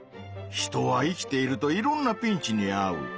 人は生きているといろんな「ピンチ」にあう。